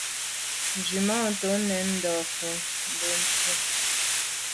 Nzwimàntô nèn ndo’ fotmbwe se.